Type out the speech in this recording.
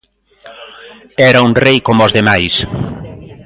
Era un rei coma os demais.